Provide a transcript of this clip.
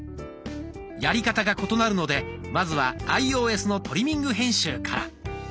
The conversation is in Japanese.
やり方が異なるのでまずはアイオーエスのトリミング編集から。